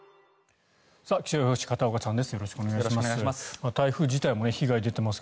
気象予報士片岡さんです。